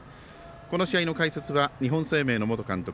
この試合の解説は日本生命の元監督